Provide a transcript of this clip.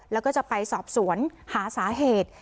แล้วก็จะไปสอบสวนหาสาเหตุ